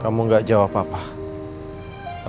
kamu gak jawab apa apa